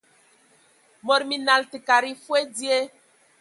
Mod minal, tə kad e foe dzie.